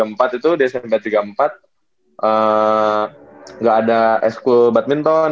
smp tiga puluh empat itu di smp tiga puluh empat ga ada sq badminton